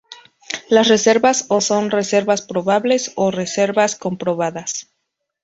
Las reservas o son "Reservas Probables" o "Reservas Comprobadas"'.